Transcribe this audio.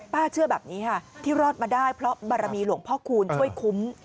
เชื่อแบบนี้ค่ะที่รอดมาได้เพราะบารมีหลวงพ่อคูณช่วยคุ้ม